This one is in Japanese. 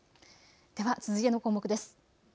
では続いての項目です。